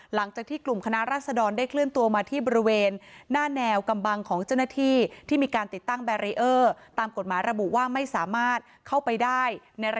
หลังจากที่กลุ่มคณะรัศดรได้เคลื่อนตัวมาที่บริเวณหน้าแนวกำบังของเจ้าหน้าที่